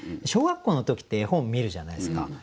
小学校の時って絵本見るじゃないですか。